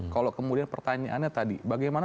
kalau kemudian pertanyaannya tadi bagaimana